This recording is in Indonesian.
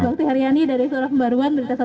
bapak tihariani dari surah pembaruan berita satu com